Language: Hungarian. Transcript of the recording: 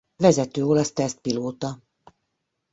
Vezető olasz tesztpilóta.